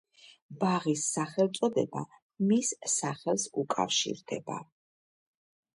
ბაღის სახელწოდება მის სახელს უკავშირდება.